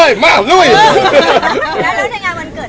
แล้วในงานวันเกิดมันมีอะไรเวลาเห็นการทำน้องนั้น